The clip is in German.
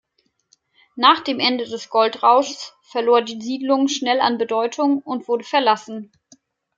Nach dem Ende des Goldrauschs verlor die Siedlung schnell an Bedeutung und wurde verlassen.